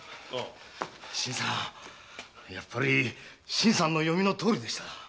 やっぱり新さんの読みのとおりでした。